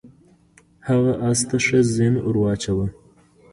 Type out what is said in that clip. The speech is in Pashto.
هغه اس ته ښه زین ور واچاوه.